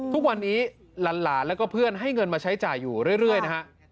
ทุกวันนี้หลานแล้วก็เพื่อนให้เงินมาใช้จ่ายอยู่เรื่อยนะฮะ